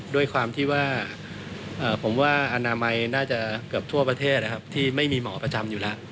ด้วยความที่ว่าผมว่าอนามัยน่าจะเกือบทั่วประเทศนะครับที่ไม่มีหมอประจำอยู่แล้ว